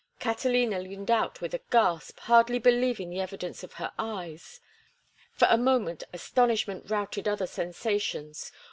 Catalina leaned out with a gasp, hardly believing the evidence of her eyes. For a moment astonishment routed other sensations.